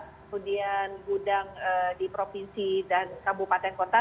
kemudian gudang di provinsi dan kabupaten kota